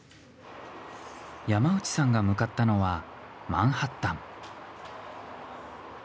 山内さんが向かったのはマンハッタン。